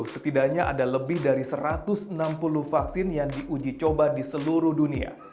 setidaknya ada lebih dari satu ratus enam puluh vaksin yang diuji coba di seluruh dunia